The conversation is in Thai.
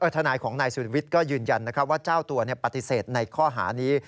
ทนายของนายสุริวิทย์ก็ยืนยันว่าเจ้าตัวปฏิเสธในข้อหานี้